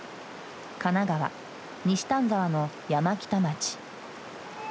神奈川・西丹沢の山北町。